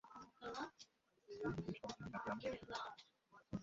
তুই জিজ্ঞেস করেছিলি না কে আমার সত্যিকারের ছেলে?